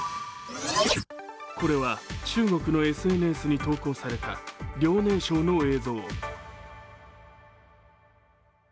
これは中国のＳＮＳに投稿された遼寧省の映像。